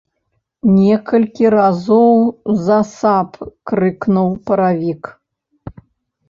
Некалькі разоў засаб крыкнуў паравік.